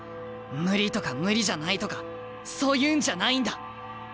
無理とか無理じゃないとかそういうんじゃないんだ。